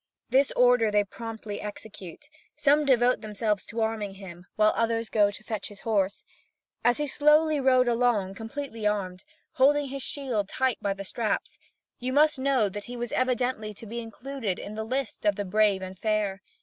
This order they promptly execute: some devote themselves to arming him, while others go to fetch his horse. As he slowly rode along completely armed, holding his shield tight by the straps, you must know that he was evidently to be included in the list of the brave and fair.